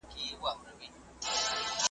له بهرامه ښادي حرامه